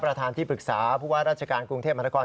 ประธานที่ปรึกษาผู้ว่าราชการกรุงเทพมหานคร